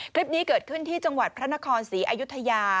คลิปนี้เกิดขึ้นที่จังหวัดพระนครศรีอยุธยา